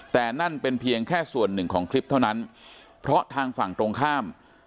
แต่นั่นเป็นเพียงแค่ส่วนหนึ่งของคลิปเท่านั้นเพราะทางฝั่งตรงข้าม